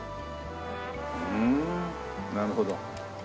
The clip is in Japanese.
ふーんなるほど。